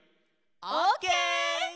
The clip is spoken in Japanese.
オッケー！